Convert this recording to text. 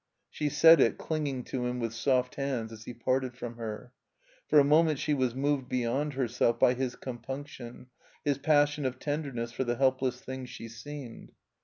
She said it, clinging to him with soft hands, as he parted from her. For a moment she was moved beyond herself by his comptmction, his pas^on of tenderness for the helpless thing she seemed.